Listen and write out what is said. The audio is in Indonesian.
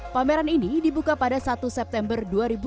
pameran ini dibuka pada satu september dua ribu dua puluh